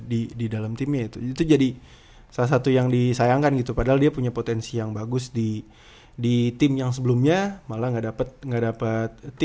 di di dalam timnya itu jadi salah satu yang disayangkan gitu padahal dia punya potensi yang bagus di di tim yang sebelumnya malah nggak dapet nggak dapet menit gitu